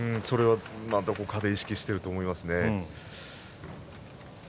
それは、どこかで意識してると思いますね。